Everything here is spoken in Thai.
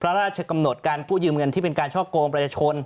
พระราชกำหนดการกู้ยืมเงินที่เป็นการช่อกงประชาชน